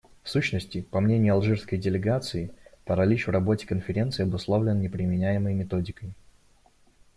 В сущности, по мнению алжирской делегации, паралич в работе Конференции обусловлен не применяемой методикой.